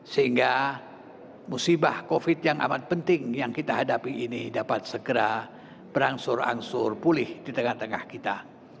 sehingga musibah covid yang amat penting yang kita hadapi ini dapat segera berangsur angsur pulih di tengah tengah kita